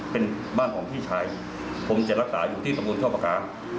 เป็นบ้านที่พี่ชายแต่ผมจะรักษาอยู่ที่สมบูรณ์เปาะปากกา